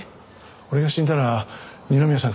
俺が死んだら二宮さん